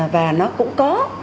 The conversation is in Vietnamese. và nó cũng có